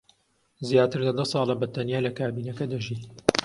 زیاتر لە دە ساڵە بەتەنیا لە کابینەکە دەژی.